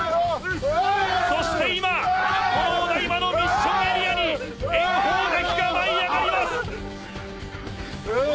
そして今このお台場のミッションエリアに炎鵬関が舞い上がります。